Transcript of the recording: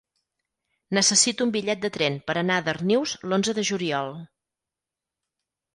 Necessito un bitllet de tren per anar a Darnius l'onze de juliol.